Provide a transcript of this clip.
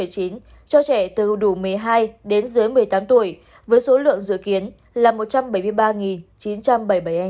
cho trẻ từ đủ một mươi hai đến dưới một mươi tám tuổi với số lượng dự kiến là một trăm bảy mươi ba chín trăm bảy mươi bảy em